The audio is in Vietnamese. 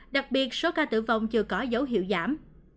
đặc biệt số ca tử vong chưa có dấu hiệu giảm